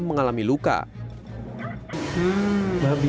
mengalami luka babi